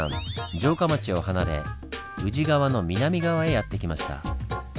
城下町を離れ宇治川の南側へやって来ました。